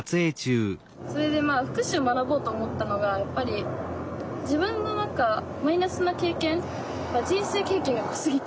それで福祉を学ぼうと思ったのがやっぱり自分のマイナスな経験人生経験が濃すぎて。